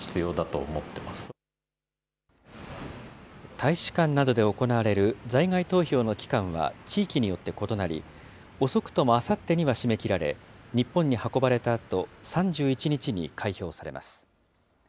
大使館などで行われる在外投票の期間は地域によって異なり、遅くともあさってには締め切られ、日本に運ばれたあと、３１日に開票されます。